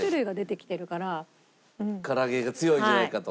から揚げが強いんじゃないかと。